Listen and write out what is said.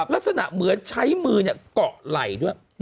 ลักษณะเหมือนใช้มือเกาะไหล่ด้วย